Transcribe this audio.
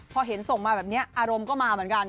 พอเห็นส่งมาแบบนี้อารมณ์ก็มาเหมือนกัน